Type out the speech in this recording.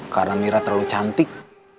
karena mira terlalu cantik